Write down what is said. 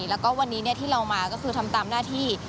แล้วก็วันนี้ที่เรามาก็คือทำตามหน้าที่